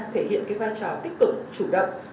thể hiện cái vai trò tích cực chủ động